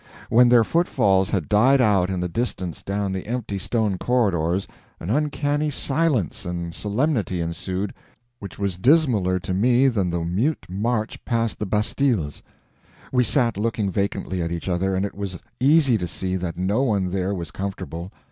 When their footfalls had died out in the distance down the empty stone corridors an uncanny silence and solemnity ensued which was dismaler to me than the mute march past the bastilles. We sat looking vacantly at each other, and it was easy to see that no one there was comfortable.